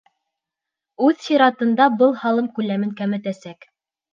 Үҙ сиратында, был һалым күләмен кәметәсәк.